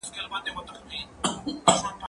زه اجازه لرم چي سیر وکړم!.